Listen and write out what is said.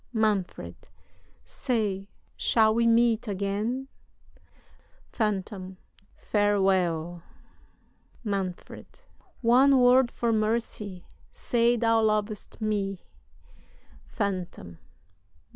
"MANFRED. Say, shall we meet again? "PHANTOM. Farewell! "MANFRED. One word for mercy! Say thou lovest me. "PHANTOM.